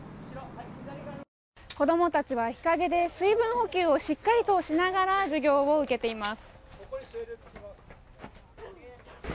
子供たちは日陰で水分補給をしっかりとしながら授業を受けています。